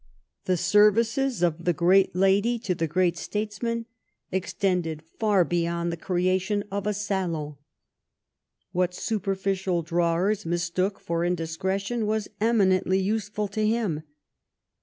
... The services of the great lady to the great statesman extended far beyond the creation of a salon. What superficial drawers mistook for indiscre tion was eminently useful to him.